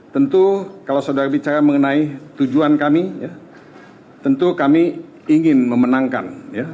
tentu kalau saudara bicara mengenai tujuan kami tentu kami ingin memenangkan